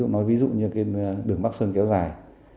nói ví dụ như đường bắc sơn kéo dài